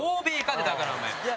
ってだからお前。